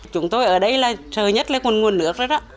chúng tôi ở đây là sợ nhất là nguồn nước rồi đó